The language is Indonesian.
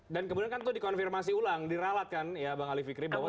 dan kemudian kan itu dikonfirmasi ulang diralatkan ya bang ali fikri bahwa ternyata